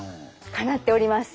叶っております。